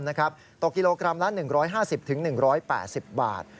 ต่อกิโลกรัมละ๑๕๐๑๘๐บาท